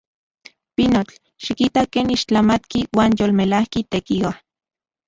¡Pinotl! ¡Xikita ken ixtlamatki uan yolmelajki tekiua!